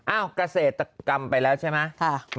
อ้าวกระเศษตกรรมไปแล้วใช่ไหม